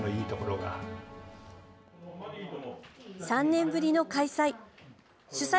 ３年ぶりの開催。